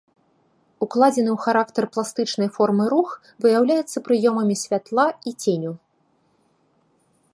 Укладзены ў характар пластычнай формы рух выяўляецца прыёмамі святла і ценю.